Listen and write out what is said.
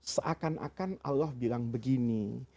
seakan akan allah bilang begini